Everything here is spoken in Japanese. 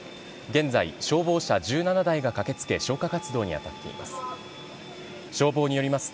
現在、消防車１７台がかけつけ、消火活動に当たっています。